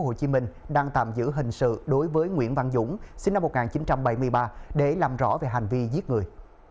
hồ chí minh đang tạm giữ hình sự đối với nguyễn văn dũng sinh năm một nghìn chín trăm bảy mươi ba để làm rõ về hành vi giết người